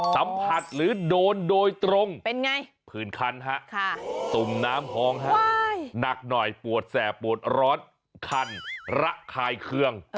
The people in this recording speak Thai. สัมผัสหรือโดนโดยตรงผื่นคันฮะตุ่มน้ำพองฮะหนักหน่อยปวดแสบปวดร้อนคันระคายเคือง